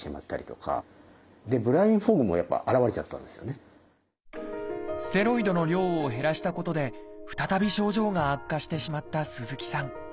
ところがステロイドの量を減らしたことで再び症状が悪化してしまった鈴木さん。